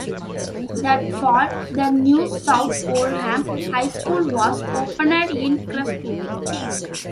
That fall, the new South Oldham High School was opened in Crestwood.